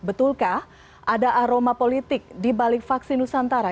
betulkah ada aroma politik di balik vaksin nusantara